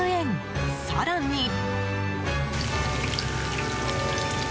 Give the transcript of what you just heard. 更に。